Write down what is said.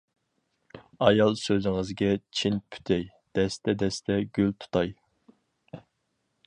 ئايال: سۆزىڭىزگە چىن پۈتەي، دەستە -دەستە گۈل تۇتاي.